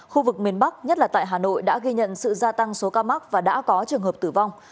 khu vực miền bắc nhất là tại hà nội đã ghi nhận sự gia tăng số ca mắc và đã có trường hợp tử vong